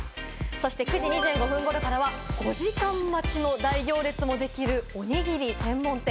９時２５分ごろからは５時間待ちの大行列もできる、おにぎり専門店。